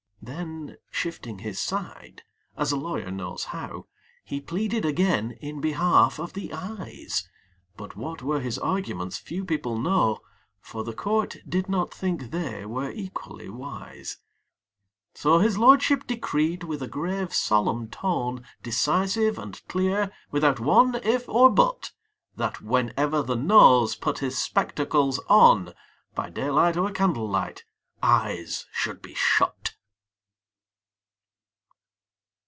Then shifting his side (as a lawyer knows how), He pleaded again in behalf of the Eyes; But what were his arguments few people know, For the court did not think they were equally wise. So his lordship decreed with a grave solemn tone, Decisive and clear, without one if or but That, whenever the Nose put his spectacles on, By daylight or candlelight Eyes should be shut!